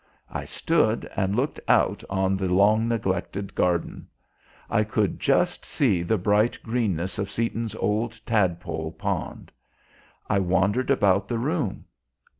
I stood and looked out on the long neglected garden. I could just see the bright greenness of Seaton's old tadpole pond. I wandered about the room.